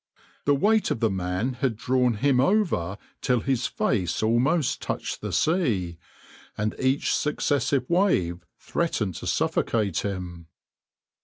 The weight of the man had drawn him over till his face almost touched the sea, and each successive wave threatened to suffocate him.